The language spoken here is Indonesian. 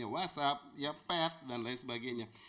whatsapp ped dan lain sebagainya